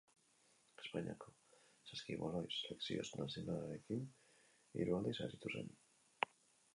Espainiako saskibaloi selekzio nazionalarekin hiru aldiz aritu zen.